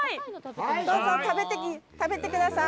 どうぞ食べてください！